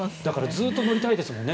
ずっと乗りたいですよね